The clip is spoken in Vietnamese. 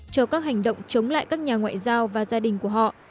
cho các hành động chống lại các nhà ngoại giao và gia đình của họ